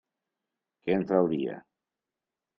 Què en trauria?